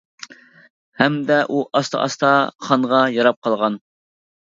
ھەمدە ئۇ ئاستا-ئاستا خانغا ياراپ قالغان.